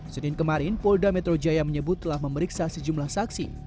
senin kemarin polda metro jaya menyebut telah memeriksa sejumlah saksi